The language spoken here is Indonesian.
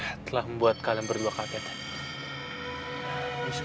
saya telah membuat kalian berdua terkejut